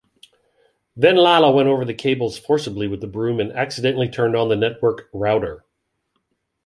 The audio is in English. Then Lala went over the cables forcibly with the broom and accidentally turned on the network ‘router’.